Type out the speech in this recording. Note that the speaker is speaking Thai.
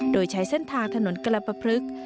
โดยใช้เส้นทางถนนกรปพลึก